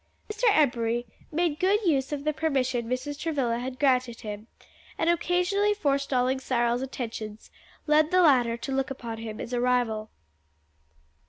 Mr. Embury made good use of the permission Mrs. Travilla had granted him, and occasionally forestalling Cyril's attentions, led the latter to look upon him as a rival.